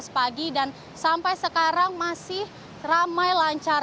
enam lima belas pagi dan sampai sekarang masih ramai lancar